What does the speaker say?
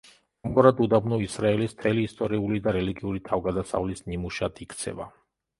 ამგვარად, უდაბნო ისრაელის მთელი ისტორიული და რელიგიური თავგადასავლის ნიმუშად იქცევა.